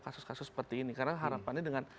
kasus kasus seperti ini karena harapannya dengan